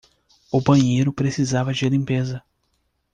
O banheiro precisava de limpeza.